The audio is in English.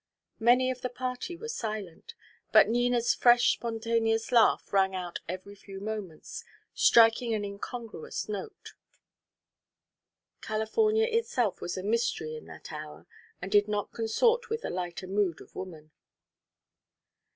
Many of the party were silent; but Nina's fresh spontaneous laugh rang out every few moments, striking an incongruous note. California itself was a mystery in that hour and did not consort with the lighter mood of woman.